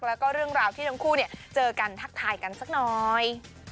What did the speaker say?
แล้วก็เรื่องราวที่ทั้งคู่เจอกันทักทายกันสักหน่อย